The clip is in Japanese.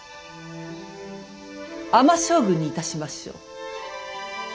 尼将軍にいたしましょう。